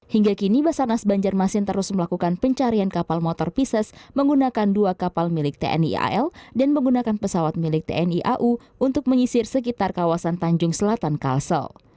hingga kini basarnas banjarmasin terus melakukan pencarian kapal motor pisces menggunakan dua kapal milik tni al dan menggunakan pesawat milik tni au untuk menyisir sekitar kawasan tanjung selatan kalsel